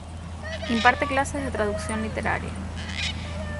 Imparte clases de traducción literaria.